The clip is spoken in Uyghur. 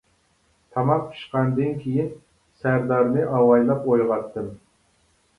تاماق پىشقاندىن كېيىن سەردارنى ئاۋايلاپ ئويغاتتىم.